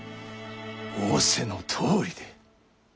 仰せのとおりで。